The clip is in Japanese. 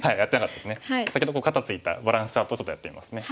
先ほど肩ツイたバランスチャートをちょっとやってみますね。